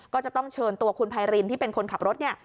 ก็จะต้องเชิญตัวคุณไพรินที่เป็นคนขับรถเนี่ย